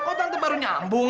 kok tante baru nyambung